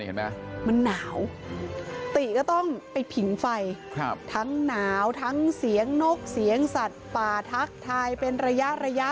เห็นไหมมันหนาวติก็ต้องไปผิงไฟทั้งหนาวทั้งเสียงนกเสียงสัตว์ป่าทักทายเป็นระยะระยะ